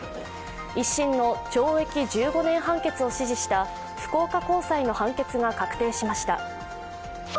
１審の懲役１５年判決を支持した福岡高裁の判決が確定しました。